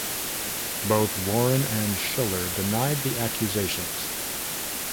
Both Warren and Schuller denied the accusations.